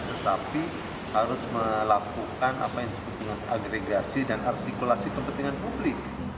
tetapi harus melakukan apa yang disebut dengan agregasi dan artikulasi kepentingan publik